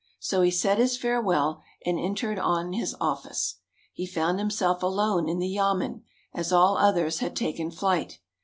So he said his farewell, and entered on his office. He found himself alone in the yamen, as all others had taken flight.